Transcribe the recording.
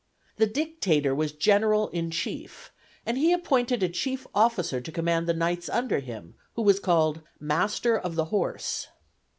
The dictator was general in chief, and he appointed a chief officer to command the knights under him, who was called "master of the horse."